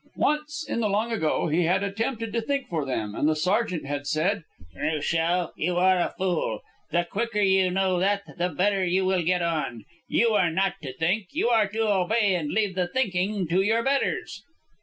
Once, in the long ago, he had attempted to think for them, and the sergeant had said: "Cruchot, you are a fool! The quicker you know that, the better you will get on. You are not to think; you are to obey and leave thinking to your betters."